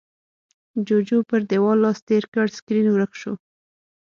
جُوجُو پر دېوال لاس تېر کړ، سکرين ورک شو.